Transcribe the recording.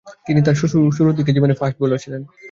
তিনি তার শুরুরদিকের জীবনে ফাস্ট বোলার ছিলেন।